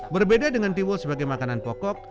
berbeda dengan tiwul sebagai makanan pokok